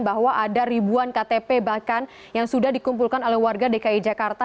bahwa ada ribuan ktp bahkan yang sudah dikumpulkan oleh warga dki jakarta